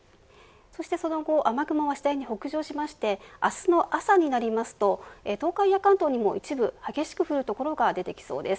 そしてその後雨雲は次第に北上しまして明日の朝になりますと東海や関東にも一部激しく降る所が出てきそうです。